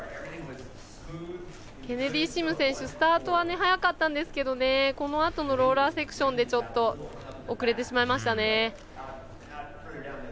ケネディシム選手スタートは速かったんですけどこのあとのローラーセクションでちょっと、遅れてしまいました。